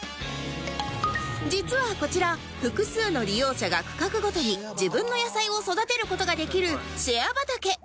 実はこちら複数の利用者が区画ごとに自分の野菜を育てる事ができるシェア畑という場所